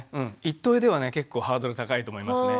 「行っといで」はね結構ハードル高いと思いますね。